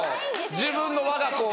自分のわが子を。